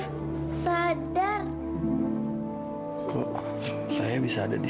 hai alhamdulillah kusta sadar kok saya bisa ada di